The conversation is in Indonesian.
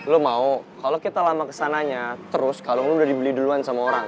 lo mau kalau kita lama kesananya terus kalau lo udah dibeli duluan sama orang